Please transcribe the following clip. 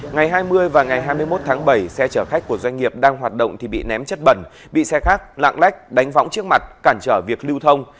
ngày hai mươi và ngày hai mươi một tháng bảy xe chở khách của doanh nghiệp đang hoạt động thì bị ném chất bẩn bị xe khác lạng lách đánh võng trước mặt cản trở việc lưu thông